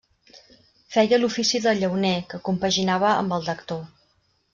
Feia l'ofici de llauner, que compaginava amb el d'actor.